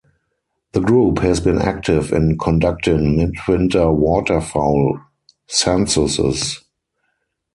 The group has been active in conducting mid-winter waterfowl censuses.